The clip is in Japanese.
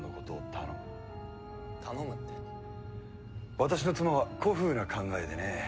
私の妻は古風な考えでね。